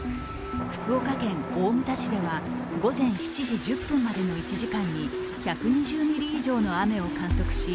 福岡県大牟田市では午前７時１０分までの１時間に１２０ミリ以上の雨を観測し